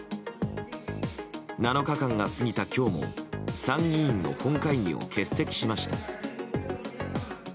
７日間が過ぎた今日も参議院の本会議を欠席しました。